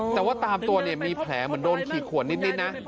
แต่ว่าตามตัวเนี่ยมีแผลเหมือนโดนขีดขวดนิดนะ